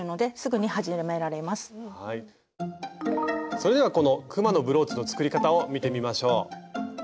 それではこのくまのブローチの作り方を見てみましょう。